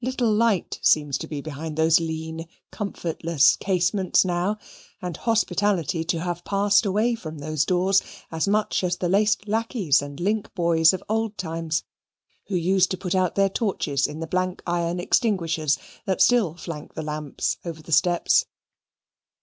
Little light seems to be behind those lean, comfortless casements now, and hospitality to have passed away from those doors as much as the laced lacqueys and link boys of old times, who used to put out their torches in the blank iron extinguishers that still flank the lamps over the steps.